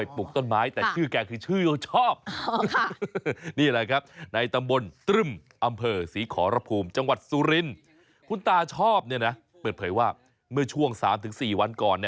เปิดเผยว่าเมื่อช่วง๓๔วันก่อน